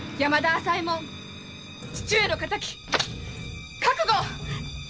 朝右衛門父上の敵覚悟！